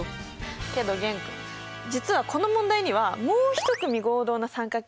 けど玄君実はこの問題にはもう一組合同な三角形があるんです。